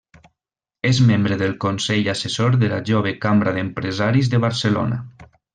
És membre del consell assessor de la Jove Cambra d'Empresaris de Barcelona.